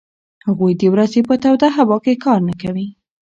هغوی د ورځې په توده هوا کې کار نه کوي.